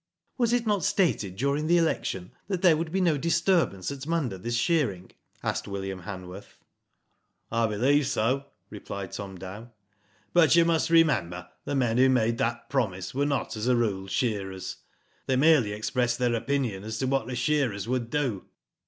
"Was it not stated during the election that there would be no disturbance at Munda this shearing?" asked Wyndham Hanworth. "I believe so," replied Tom Dow; "but you Digitized byGoogk 78 WHO DID IT? must remember, the men who made that promise were not as a rule shearers. They merely ex pressed their opinion as to what the shearers would do."